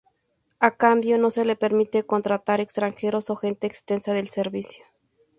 A cambio, no se le permite contratar extranjeros o gente exenta del servicio.